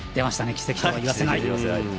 「奇跡とは言わせない」。